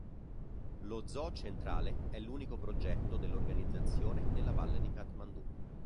Lo Zoo centrale è l'unico progetto dell’organizzazione nella valle di Katmandu.